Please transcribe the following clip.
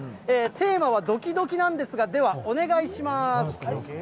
テーマはドキドキなんですが、では、お願いします。